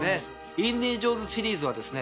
『インディ・ジョーンズ』シリーズはですね